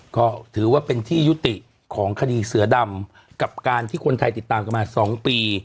ก็ถือว่าเป็นที่ยุติของคดีเสือดำกับการที่คนไทยติดตามกันมา๒ปี